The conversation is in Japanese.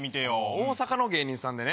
大阪の芸人さんでね。